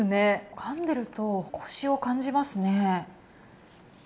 かんでると、こしを感じますね。